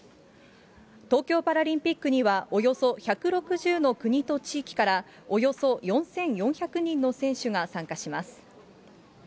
東京パラリンピックには、およそ１６０の国と地域から、およそ４４００人の選手が参加します。